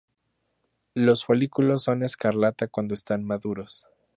Los folículos son escarlata cuando están maduros.